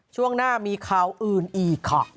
ช่วงหน้ามีข่าวอื่นอีกค่ะ